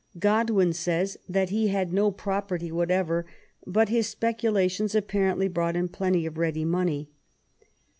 Godwin says that he had no property whatever, but his specula tions apparently brought him plenty of ready money.